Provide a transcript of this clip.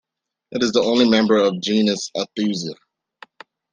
It is the only member of the genus Aethusa.